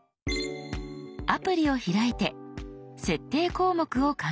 アプリを開いて設定項目を考えましょう。